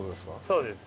そうです。